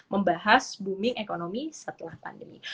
membahas booming ekonomi setelah pandemi